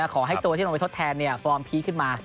ขอให้ตัวที่ลงไปทดแทนฟอร์มพีคขึ้นมา